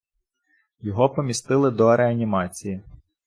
Його помістили до реанімації.